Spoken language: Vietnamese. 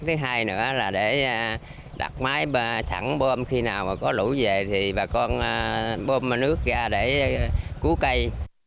thứ hai nữa là để đặt máy sẵn bơm khi nào mà có lũ về thì bà con bơm nước ra để cứu cây